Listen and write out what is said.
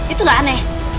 itu gak aneh